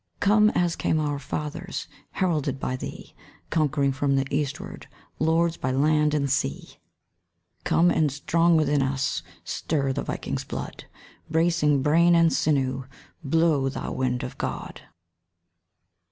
Come, as came our fathers, Heralded by thee, Conquering from the eastward, Lords by land and sea. Come; and strong within us Stir the Vikings' blood; Bracing brain and sinew; Blow, thou wind of God!